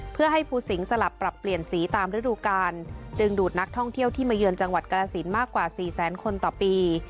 เพื่อให้ภูสิงศลับปรับเปลี่ยนสีตามฤดูกาลจึงดูดนักท่องเที่ยวที่มาเยือนจังหวัดกรสินมากกว่าสี่แสนคนต่อปี